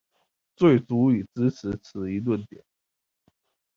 最足以支持此一論點？